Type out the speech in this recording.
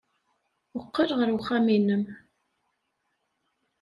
Qqel ɣer uxxam-nnem.